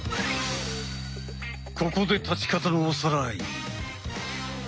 ここで立ち方のおさらい。